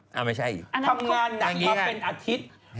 ทำงานหนักมาเป็นอาทิตย์